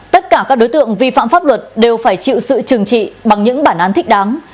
tất cả các đối tượng vi phạm pháp luật đều phải chịu sự trừng trị bằng những bản án thích đáng